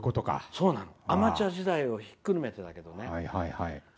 アマチュア時代をひっくるめて。